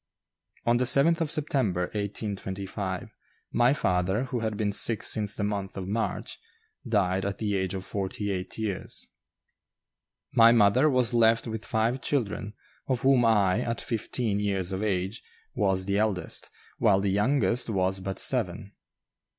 On the 7th of September, 1825, my father, who had been sick since the month of March, died at the age of forty eight years. My mother was left with five children, of whom I, at fifteen years of age, was the eldest, while the youngest was but seven.